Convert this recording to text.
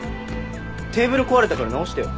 テーブル壊れたから直してよ。